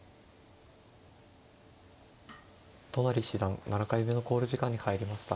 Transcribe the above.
都成七段７回目の考慮時間に入りました。